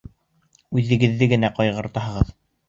Үҙегеҙҙе генә ҡайғыртаһығыҙ!